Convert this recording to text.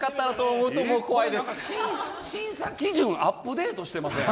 審査基準をアップデートしてません。